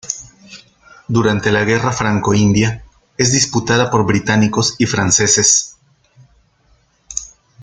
Durante la Guerra franco-india es disputada por británicos y franceses.